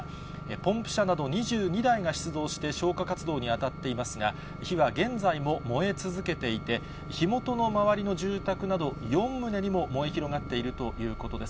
ポンプ車など２２台が出動して消火活動に当たっていますが、火は現在も燃え続けていて、火元の周りの住宅など４棟にも燃え広がっているということです。